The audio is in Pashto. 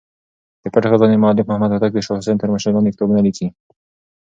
د پټې خزانې مولف محمد هوتک د شاه حسين تر مشرۍ لاندې کتابونه ليکلي.